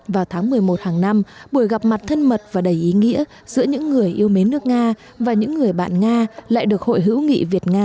vào tháng một mươi một hàng năm buổi gặp mặt thân mật và đầy ý nghĩa giữa những người yêu mến nước nga và những người bạn nga lại được hội hữu nghị việt nga